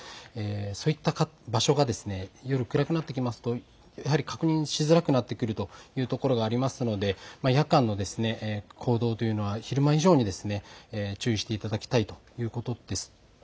そういった場所が夜暗くなってきますと確認しづらくなってくるというところがありますので夜間の行動というのは昼間以上に注意していただきたいということです。